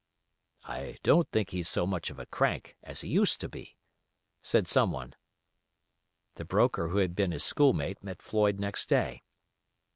"I don't think he's so much of a crank as he used to be," said someone. The broker who had been his schoolmate met Floyd next day.